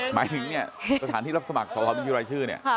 หมายถึงเนี่ยสถานที่รับสมัครสอบบัญชีรายชื่อเนี่ย